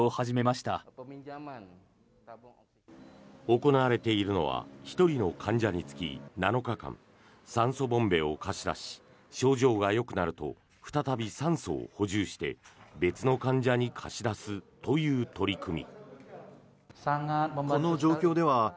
行われているのは１人の患者につき７日間酸素ボンベを貸し出し症状がよくなると再び酸素を補充して別の患者に貸し出すという取り組み。